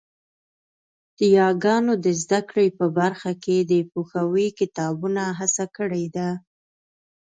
د یاګانو د زده کړې په برخه کې د پښويې کتابونو هڅه کړې ده